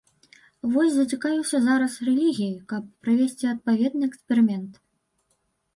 Вось зацікавіўся зараз рэлігіяй, каб правесці адпаведны эксперымент.